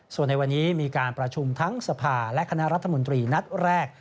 ส่วนในวันนี้มีการประชุมทั้งสภาและคณะรัฐมนตรีนัดแรก